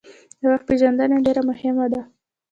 د وخت پېژندنه ډیره مهمه ده.